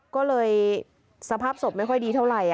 ก็เลยสภาพศพไม่ค่อยดีเท่าไหร่